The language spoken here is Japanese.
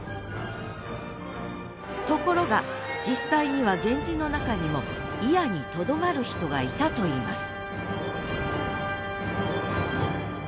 ところが実際には源氏の中にも祖谷にとどまる人がいたといいます